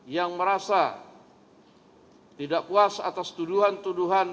yang merasa tidak puas atas tuduhan tuduhan